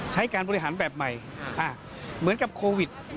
การบริหารแบบใหม่เหมือนกับโควิด